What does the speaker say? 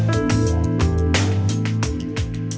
ชื่อฟอยแต่ไม่ใช่แฟง